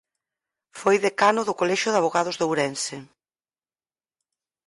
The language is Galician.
Foi decano do colexio de avogados de Ourense.